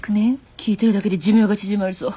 聞いてるだけで寿命が縮まりそう。